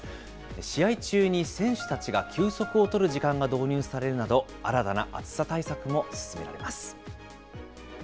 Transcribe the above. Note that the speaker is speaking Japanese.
試合中に選手たちが休息をとる時間が導入されるなど、新たな暑さ対策も進められます。